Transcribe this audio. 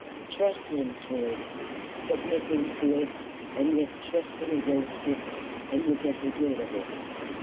Trust him through it, submitting to it and yet trusting against it, and you get the good of it.